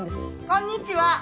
・こんにちは！